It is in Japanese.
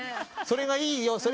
それがいいよ。